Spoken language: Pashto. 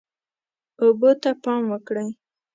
اوبه ته پام وکړئ.